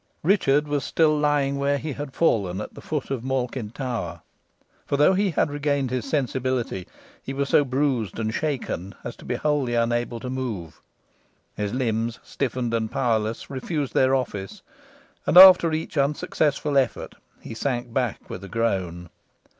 Richard was still lying where he had fallen at the foot of Malkin Tower; for though he had regained his sensibility, he was so bruised and shaken as to be wholly unable to move. His limbs, stiffened and powerless, refused their office, and, after each unsuccessful effort, he sank back with a groan.